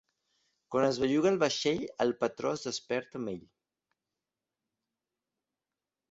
Quan es belluga el vaixell el patró es desperta amb ell.